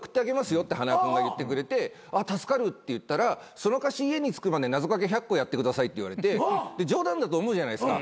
よって塙君が言ってくれて助かるって言ったらそのかし家に着くまで謎掛け１００個やってくださいって言われて冗談だと思うじゃないですか。